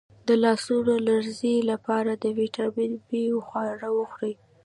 د لاسونو د لرزې لپاره د ویټامین بي خواړه وخورئ